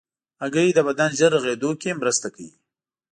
هګۍ د بدن ژر رغېدو کې مرسته کوي.